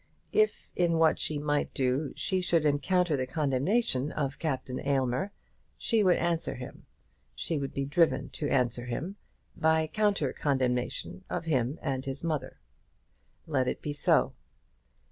If in what she might do she should encounter the condemnation of Captain Aylmer, she would answer him, she would be driven to answer him, by counter condemnation of him and his mother. Let it be so.